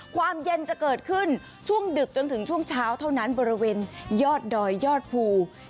ความเย็นจะเกิดขึ้นช่วงดึกจนถึงช่วงเช้าเท่านั้นบริเวณยอดดอยยอดภู